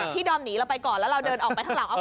ดอมหนีเราไปก่อนแล้วเราเดินออกไปข้างหลัง